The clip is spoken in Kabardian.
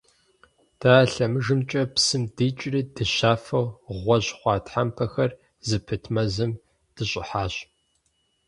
Дэ а лъэмыжымкӏэ псым дикӏри дыщафэу гъуэжь хъуа тхьэмпэхэр зыпыт мэзым дыщӏыхьащ.